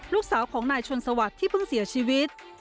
ลูกสาวของนายชนสวัสดิ์ที่เพิ่งเสียชีวิต